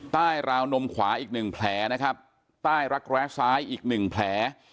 ใต้ราวนมขวาอีก๑แผลนะครับใต้รักแว้ซ้ายอีก๑แผล